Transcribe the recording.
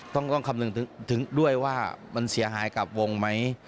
ต้องคำนึงถึงด้วยว่ามันเสียหายกับวงไหม